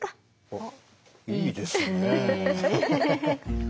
あっいいですね。